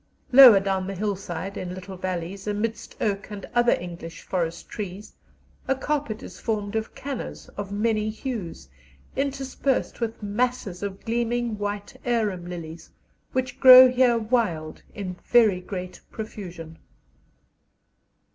Lower down the hillside, in little valleys, amidst oak and other English forest trees, a carpet is formed of cannas of many hues, interspersed with masses of gleaming white arum lilies, which grow here wild in very great profusion.